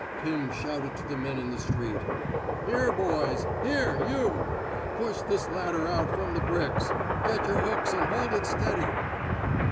Pim shouted to the men in the street: Here, boys! Here, you! Push this ladder out from the bricks. Get yer hooks an' hold it steady.